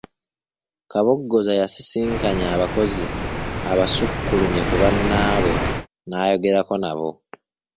Kabogoza yasisinkanye abakozi abasukkulumye ku bannaabwe n'ayogerako nabo.